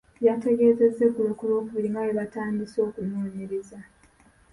Yategeezezza eggulo ku Lwokubiri nga bwe baatandise okunoonyereza.